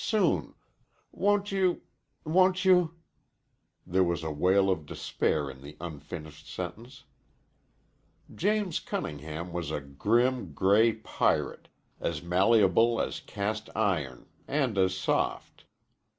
soon. Won't you won't you ?" There was a wail of despair in the unfinished sentence. James Cunningham was a grim, gray pirate, as malleable as cast iron and as soft.